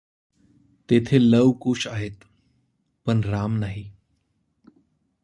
तेथे लव, कुश आहेत, पण राम नाही.